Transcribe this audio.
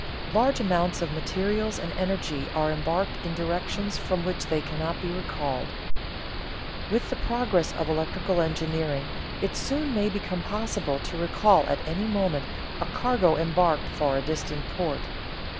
Large amounts of materials and energy are embarked in directions from which they cannot be recalled. With the progress of electrical engineering it soon may become possible to recall at any moment a cargo embarked for a distant port.